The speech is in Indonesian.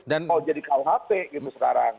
mau jadi kuhp gitu sekarang